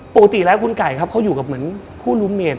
ปกติแล้วคุณไก่ครับเขาอยู่กับเหมือนคู่ลุมเมด